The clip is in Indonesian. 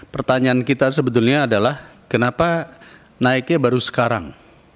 pertanyaan kita sebetulnya adalah kenapa naiknya baru sekarang